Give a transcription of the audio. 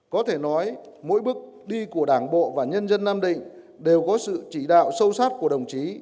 có thể nói mỗi bước đi của đảng bộ và nhân dân nam định đều có sự chỉ đạo sâu sát của đồng chí